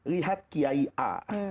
lihat kiai a